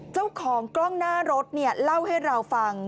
เจ้าของกล้องหน้ารถเล่าให้เราฟัง